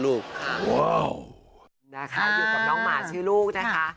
นะคะอยู่กับน้องหมาชื่อลูกนะคะ